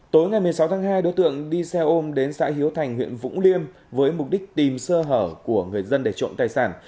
tối ngày một mươi sáu tháng hai đối tượng đi xe ôm đến xã hiếu thành huyện vũng liêm với mục đích tìm sơ hở của người dân để trộm tài sản